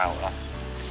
gak mau lah